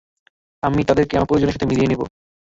আমি তাদেরকে আমার পরিজনের সাথে মিলিয়ে নিব।